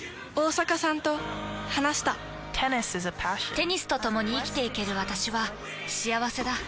テニスとともに生きていける私は幸せだ。